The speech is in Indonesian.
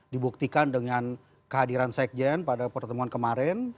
dibuktikan dengan kehadiran sekjen pada pertemuan kemarin